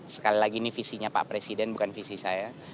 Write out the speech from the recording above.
sekali lagi ini visinya pak presiden bukan visi saya